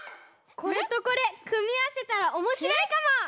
これとこれくみあわせたらおもしろいかも！